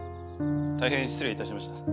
大変失礼致しました。